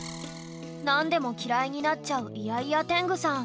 なんでもきらいになっちゃうイヤイヤテングさん。